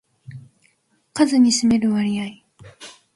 数に占める割合